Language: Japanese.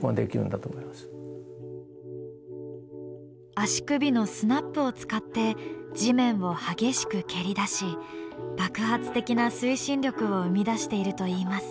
足首のスナップを使って地面を激しく蹴り出し爆発的な推進力を生み出しているといいます。